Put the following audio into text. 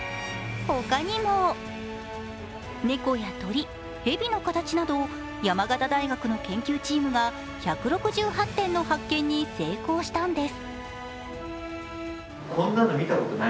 他にも、猫や鳥、蛇の形など山形大学の研究チームが１６８点の発見に成功したんです。